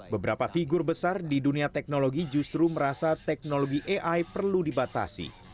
beberapa figur besar di dunia teknologi justru merasa teknologi ai perlu dibatasi